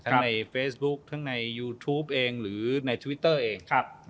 ในเฟซบุ๊คทั้งในยูทูปเองหรือในทวิตเตอร์เอง